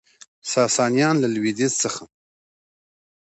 ساسانیان له لویدیځ څخه